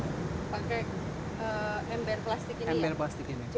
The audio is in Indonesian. pakai ember plastik ini ya